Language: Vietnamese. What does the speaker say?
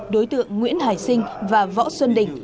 đối tượng nguyễn hải sinh và võ xuân đình